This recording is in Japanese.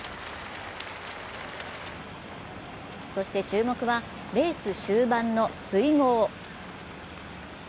そして注目は、レース終盤の水濠。